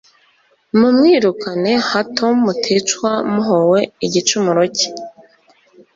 mumwirukane hato muticwa muhowe igicumuro cye